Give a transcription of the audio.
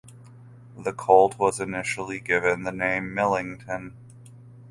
The colt was initially given the name Millington.